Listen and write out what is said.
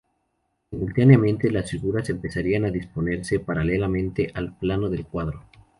Simultáneamente, las figuras empezarían a disponerse paralelamente al plano del cuadro.